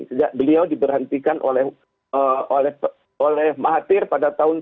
sejak beliau diberhentikan oleh mahathir pada tahun seribu sembilan ratus sembilan puluh delapan